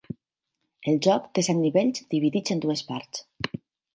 El joc té set nivells dividits en dues parts.